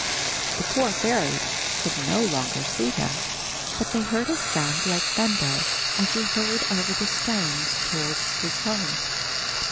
The poor fairies could no longer see him, but they heard a sound like thunder, as he hurried over the stones towards his home.